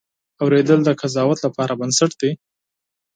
اورېدل د قضاوت لپاره بنسټ دی.